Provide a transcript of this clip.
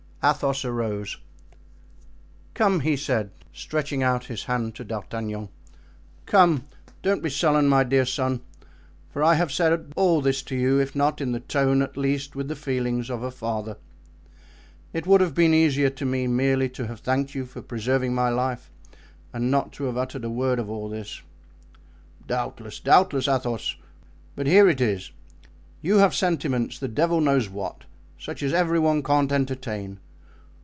Athos arose. "Come," he said, stretching out his hand to D'Artagnan, "come, don't be sullen, my dear son, for I have said all this to you, if not in the tone, at least with the feelings of a father. It would have been easier to me merely to have thanked you for preserving my life and not to have uttered a word of all this." "Doubtless, doubtless, Athos. But here it is: you have sentiments, the devil knows what, such as every one can't entertain.